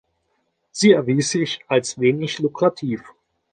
Sie erwies sich als wenig lukrativ.